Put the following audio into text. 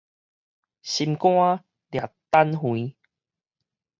心肝掠坦橫